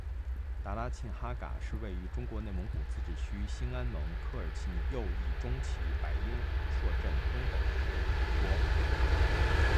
达拉沁哈嘎是位于中国内蒙古自治区兴安盟科尔沁右翼中旗白音胡硕镇东北的一个湖泊。